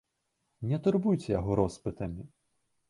Не турбуйцеся яго роспытамі.